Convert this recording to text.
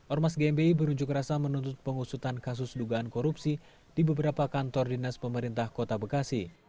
ormas gmbi berunjuk rasa menuntut pengusutan kasus dugaan korupsi di beberapa kantor dinas pemerintah kota bekasi